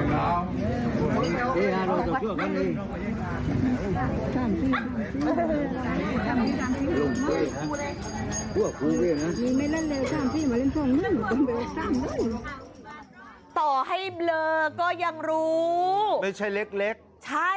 ไม่ใช่เล็กนะครับใช่